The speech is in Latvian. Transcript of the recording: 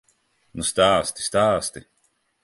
Nu stāsti, stāsti!